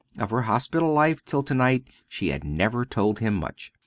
Of her hospital life, till to night, she had never told him much.